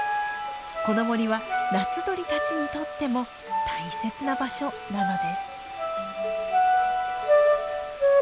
この森は夏鳥たちにとっても大切な場所なのです。